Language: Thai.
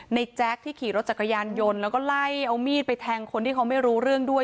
แจ๊คที่ขี่รถจักรยานยนต์แล้วก็ไล่เอามีดไปแทงคนที่เขาไม่รู้เรื่องด้วย